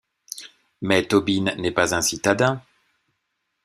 Mais Tobeen n'est pas un citadin.